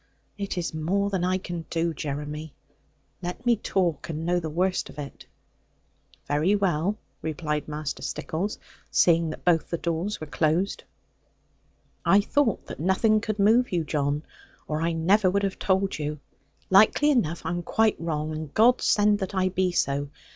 It is more than I can do, Jeremy. Let me talk, and know the worst of it.' 'Very well,' replied Master Stickles, seeing that both the doors were closed; 'I thought that nothing could move you, John; or I never would have told you. Likely enough I am quite wrong; and God send that I be so.